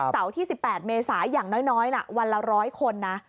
เสาร์ที่๑๘เมษายังน้อยวันละ๑๐๐คนนะ